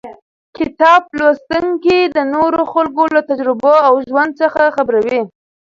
کتاب لوستونکی د نورو خلکو له تجربو او ژوند څخه خبروي.